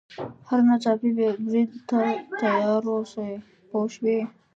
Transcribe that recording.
هر ناڅاپي برید ته تیار واوسي پوه شوې!.